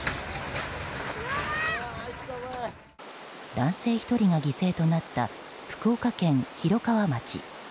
男性１人が犠牲となった福岡県広川町。